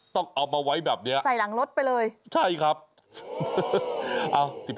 ต้องเอามาไว้แบบนี้ใช่ครับใส่หลังรถไปเลย